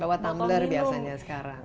bawa tumbler biasanya sekarang